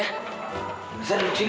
tersen dulu sini